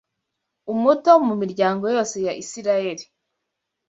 umuto mu miryango yose ya Isirayeli.